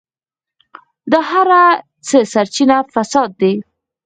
د هر څه سرچينه فساد دی.